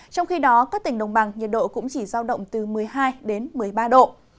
trong khi đó các tỉnh đồng bằng nhiệt độ cũng chỉ giao động từ một mươi hai đến một mươi ba độ